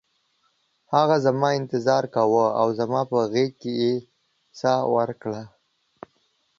هغه زما انتظار کاوه او زما په غیږ کې یې ساه ورکړه